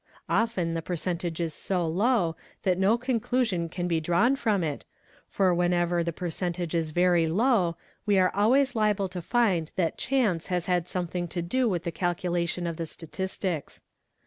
Often the percentage is so low that no conclusion can be drawn from it, for whenever the percentage is very low we are always — liable to find that chance has had something to do with the calculation of the statistics.